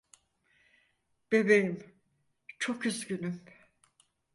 Bebeğim, çok üzgünüm.